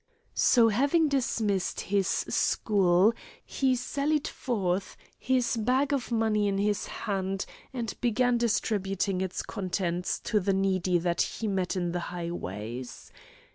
So, having dismissed his school, he sallied forth, his bag of money in his hand, and began distributing its contents to the needy that he met in the highways.